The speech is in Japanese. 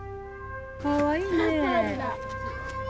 かわいいね。